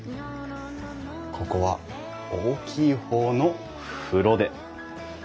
ここは大きい方の風呂で。